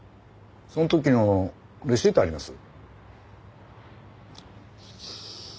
その時のレシートあります？